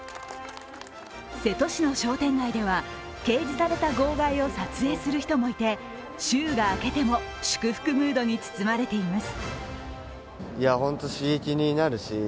瀬戸市の商店街では掲示された号外を撮影する人もいて週が明けても祝福ムードに包まれています。